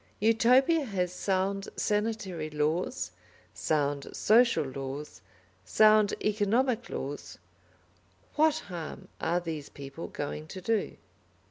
Utopia has sound sanitary laws, sound social laws, sound economic laws; what harm are these people going to do?